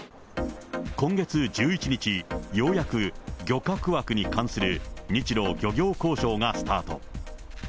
今月１１日、ようやく漁獲枠に関する日ロ漁業交渉がスタート。